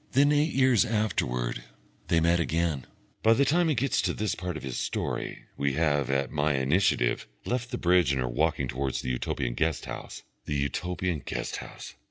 Then eight years afterwards they met again. By the time he gets to this part of his story we have, at my initiative, left the bridge and are walking towards the Utopian guest house. The Utopian guest house!